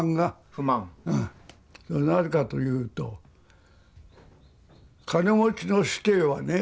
なぜかというと金持ちの子弟はね